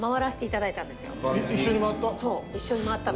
一緒に回ったの。